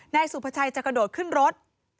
นายสุภาชัยจะกระโดดขึ้นรถ